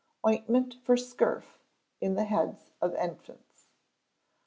Ointment for Scurf in the Heads of Infants.